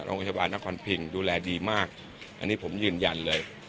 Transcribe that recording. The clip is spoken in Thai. โรงพยาบาลนครพิงดูแลดีมากอันนี้ผมยืนยันเลย